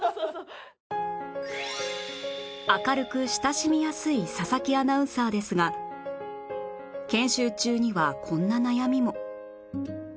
明るく親しみやすい佐々木アナウンサーですが研修中にはこんな悩みも